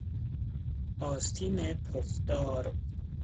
آستین پف دار